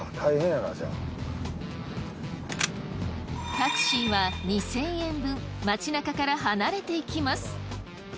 タクシーは２，０００円分街なかから離れていきます。